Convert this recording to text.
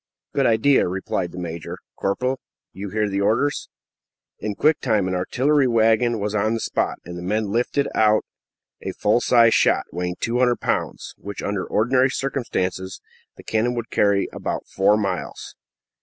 "A good idea!" replied the major. "Corporal, you hear the orders." In quick time an artillery wagon was on the spot, and the men lifted out a full sized shot, weighing 200 lbs., which, under ordinary circumstances, the cannon would carry about four miles.